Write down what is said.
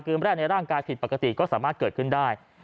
แรกในร่างกายผิดปกติก็สามารถเกิดขึ้นได้